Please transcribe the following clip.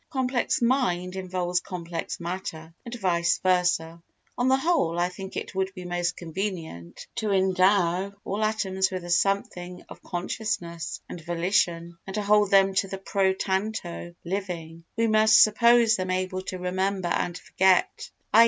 Complex mind involves complex matter and vice versa. On the whole I think it would be most convenient to endow all atoms with a something of consciousness and volition, and to hold them to be pro tanto, living. We must suppose them able to remember and forget, i.